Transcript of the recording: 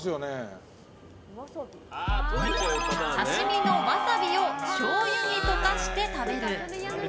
刺し身のワサビをしょうゆに溶かして食べる。